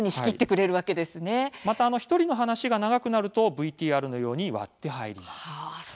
また１人の話が長くなってしまうとＶＴＲのように割って入ります。